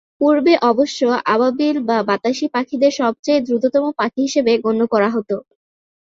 পূর্বে অবশ্য আবাবিল বা বাতাসি পাখিদের সবচেয়ে দ্রুততম পাখি হিসেবে গণ্য করা হত।